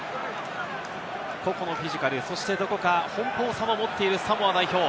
個々のフィジカル、どこか奔放さも持っているサモア代表。